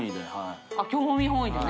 △興味本位でね。